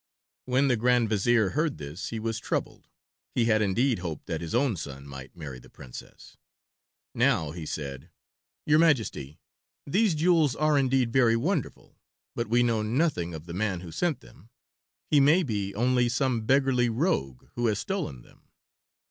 When the Grand Vizier heard this he was troubled. He had indeed hoped that his own son might marry the Princess. Now he said, "Your Majesty, these jewels are indeed very wonderful; but we know nothing of the man who sent them. He may be only some beggarly rogue who has stolen them."